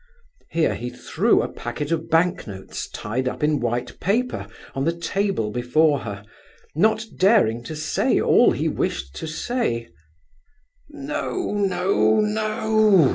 Here he threw a packet of bank notes tied up in white paper, on the table before her, not daring to say all he wished to say. "No—no—no!"